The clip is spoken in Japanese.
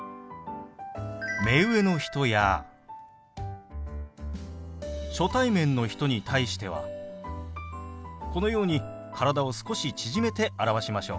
目上の人や初対面の人に対してはこのように体を少し縮めて表しましょう。